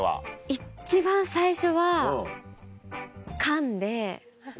一番最初は缶で。